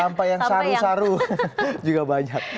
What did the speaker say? sampai yang saru saru juga banyak